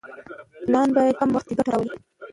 پلان باید په کم وخت کې ګټه راوړي.